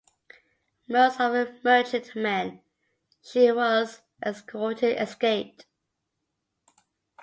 Most of the merchantmen she was escorting escaped.